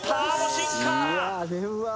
シンカー